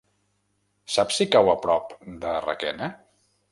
Saps si cau a prop de Requena?